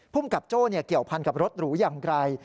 ภูมิกับโจ้เกี่ยวพันกับรถหรูอย่างไกล